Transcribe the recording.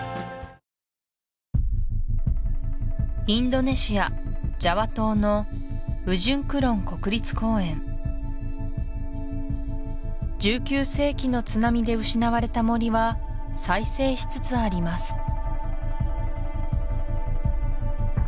インドネシアジャワ島の１９世紀の津波で失われた森は再生しつつあります